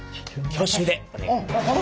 挙手でお願いします。